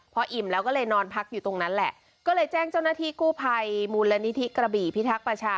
พออิ่มแล้วก็เลยนอนพักอยู่ตรงนั้นแหละก็เลยแจ้งเจ้าหน้าที่กู้ภัยมูลนิธิกระบี่พิทักษ์ประชา